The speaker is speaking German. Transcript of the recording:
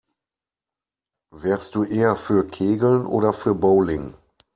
Wärst du eher für Kegeln oder für Bowling?